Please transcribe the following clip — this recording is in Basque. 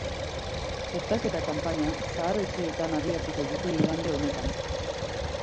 Txertaketa kanpaina zahar-etxeetan abiatuko dute igande honetan.